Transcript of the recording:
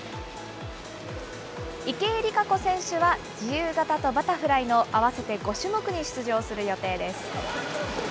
池江璃花子選手は、自由形とバタフライの合わせて５種目に出場する予定です。